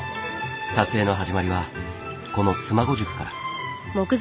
撮影の始まりはこの妻籠宿から。